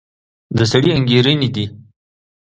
د سړي انګېرنې دي.